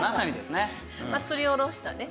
すりおろしたね